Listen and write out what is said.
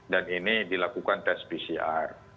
dan ini dilakukan test pcr